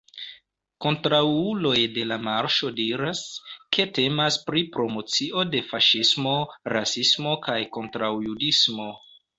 Kontraŭuloj de la Marŝo diras, ke temas pri promocio de faŝismo, rasismo kaj kontraŭjudismo.